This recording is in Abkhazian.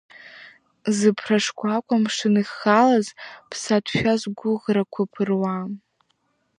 Зыԥра шкәакәа мшын иххалаз, ԥсаатәшәа згәыӷрақәа ԥыруа.